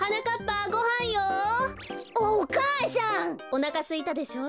おなかすいたでしょ？